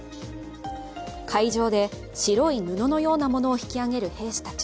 海上で白い布のようなものを引き上げる兵士たち。